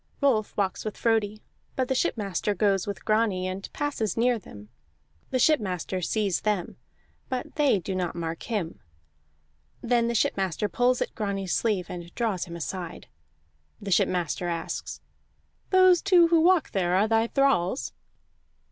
Rolf walks with Frodi, but the shipmaster goes with Grani, and passes near them; the shipmaster sees them, but they do not mark him. Then the shipmaster pulls at Grani's sleeve, and draws him aside. The shipmaster asks: "Those two who walk there are thy thralls?"